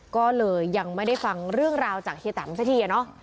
ก็เลยยังไม่ได้ฟังเรื่องราวจากเฮียแตมสักทีอะเนาะ